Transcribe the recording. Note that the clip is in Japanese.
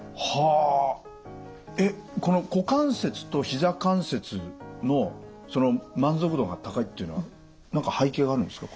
えっこの股関節とひざ関節のその満足度が高いっていうのは何か背景があるんですか？